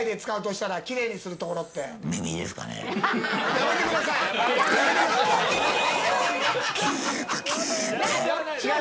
やめてください。